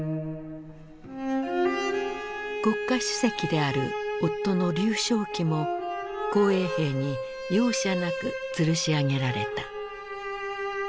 国家主席である夫の劉少奇も紅衛兵に容赦なくつるし上げられた。